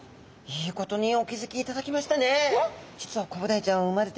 いいことにお気付きいただきましたね。